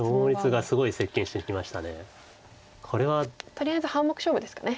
とりあえず半目勝負ですかね。